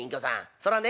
そらね